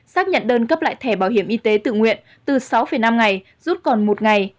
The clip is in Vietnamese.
xác nhận đơn cấp lại thẻ bảo hiểm y tế tự nguyện từ sáu năm ngày rút còn một ngày